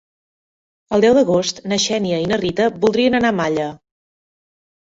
El deu d'agost na Xènia i na Rita voldrien anar a Malla.